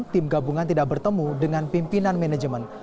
tim gabungan tidak bertemu dengan pimpinan manajemen